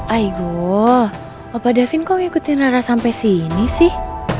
aigoo bapak davin kok ngikutin rara sampai sini sih